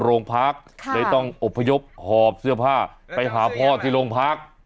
โรงพักเลยต้องอบพยพหอบเสื้อผ้าไปหาพ่อที่โรงพัก